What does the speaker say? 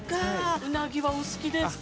◆うなぎはお好きですか。